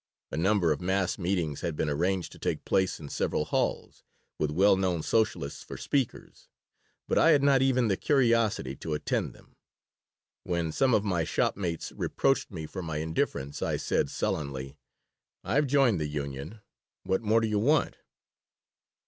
A number of mass meetings had been arranged to take place in several halls, with well known Socialists for speakers, but I had not even the curiosity to attend them. When some of my shopmates reproached me for my indifference I said, sullenly: "I've joined the union. What more do you want?"